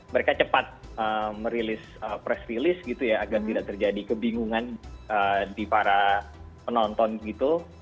mereka cepat merilis press release gitu ya agar tidak terjadi kebingungan di para penonton gitu